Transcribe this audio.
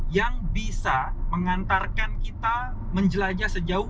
yang bisa mengantarkan kita menjelajah sejauh